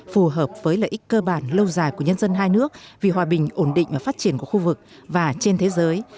phù hợp với lợi ích cơ bản lâu dài của nhân dân hai nước vì hòa bình ổn định và phát triển của khu vực và trên thế giới